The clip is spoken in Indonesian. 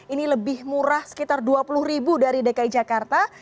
ini lebih murah sekitar dua puluh ribu dari dki jakarta